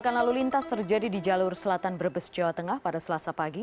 kecelakaan lalu lintas terjadi di jalur selatan brebes jawa tengah pada selasa pagi